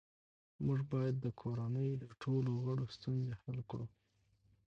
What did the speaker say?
موږ باید د کورنۍ د ټولو غړو ستونزې حل کړو